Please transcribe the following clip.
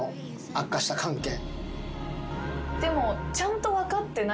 でも。